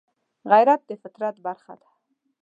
غیرت د فطرت برخه ده